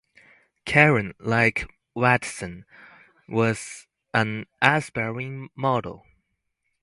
Karen, like Watson, was an aspiring model.